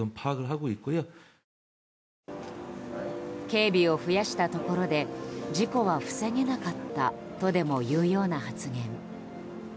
警備を増やしたところで事故は防げなかったとでもいうような発言。